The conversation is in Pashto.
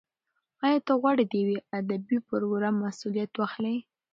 ایا ته غواړې د یو ادبي پروګرام مسولیت واخلې؟